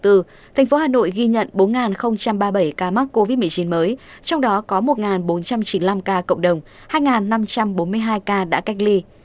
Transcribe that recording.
thành phố hà nội ghi nhận bốn ba mươi bảy ca mắc covid một mươi chín mới trong đó có một bốn trăm chín mươi năm ca cộng đồng hai năm trăm bốn mươi hai ca đã cách ly